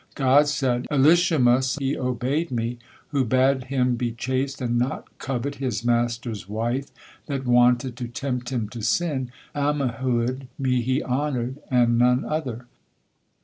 God said: "Elishama, 'he obeyed Me,' who bade him be chaste and not covet his master's wife that wanted to tempt him to sin, and Ammihud, 'Me he honored,' and none other."